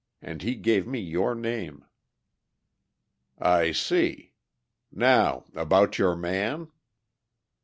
And he gave me your name." "I see. Now, about your man?"